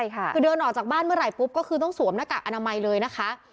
คือเดินออกจากบ้านเมื่อไหร่ปุ๊บก็คือต้องสวมหน้ากากอนามัยเลยนะคะ